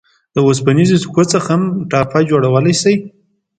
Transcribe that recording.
د اوسپنیزو سکو څخه هم ټاپه جوړولای شئ.